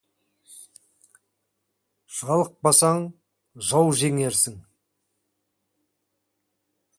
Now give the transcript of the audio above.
Жалықпасаң, жау жеңерсің.